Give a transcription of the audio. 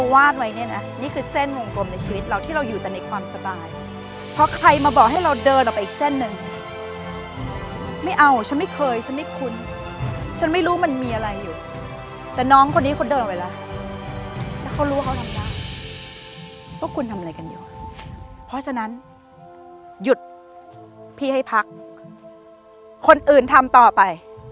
ว่าวงกลมวงใหม่ตรงนี้ทำยังไง